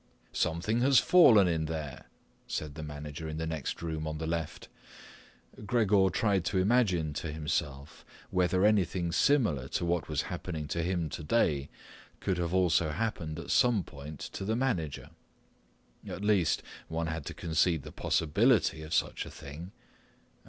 "Something has fallen in there," said the manager in the next room on the left. Gregor tried to imagine to himself whether anything similar to what was happening to him today could have also happened at some point to the manager. At least one had to concede the possibility of such a thing.